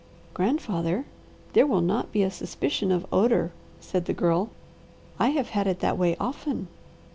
"Grandfather, there will not be a suspicion of odour," said the Girl. "I have had it that way often."